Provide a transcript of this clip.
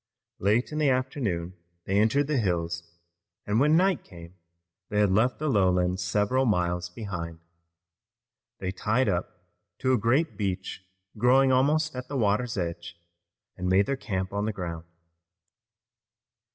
Late in the afternoon they entered the hills, and when night came they had left the lowlands several miles behind. They tied up to a great beech growing almost at the water's edge, and made their camp on the ground.